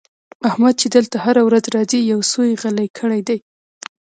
احمد چې دلته هره ورځ راځي؛ يو سوی يې غلی کړی دی.